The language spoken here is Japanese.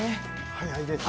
早いですね。